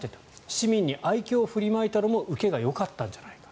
市民に愛嬌を振りまいたのも受けがよかったのではないか。